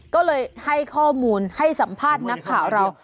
ก็เลยให้ข้อมูลให้สัมภาษณ์นักข่าวเรา